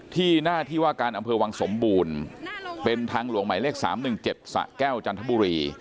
ที่หน้าที่ว่าการอำเภอวังสมบูรณ์เป็นทางหลวงหมายเลข๓๑๗สะแก้วจันทบุรี